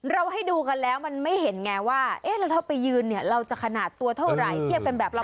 ให้ดูกันแล้วมันไม่เห็นไงว่าเอ๊ะแล้วถ้าไปยืนเนี่ยเราจะขนาดตัวเท่าไหร่เทียบกันแบบเรา